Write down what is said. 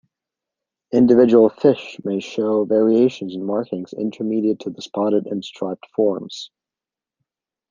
Individual fish may show variations in markings intermediate to the spotted and striped forms.